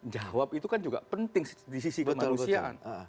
jawab itu kan juga penting di sisi kemanusiaan